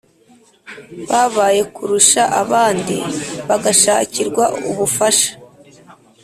babaye kurusha abandi bagashakirwa ubufasha